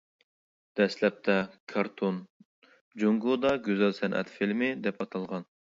دەسلەپتە «كارتون» جۇڭگودا «گۈزەل سەنئەت فىلىمى» دەپ ئاتالغان.